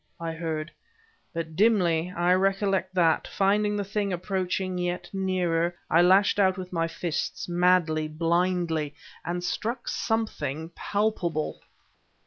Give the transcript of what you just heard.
I heard... But, dimly I recollect that, finding the thing approaching yet nearer, I lashed out with my fists madly, blindly and struck something palpable...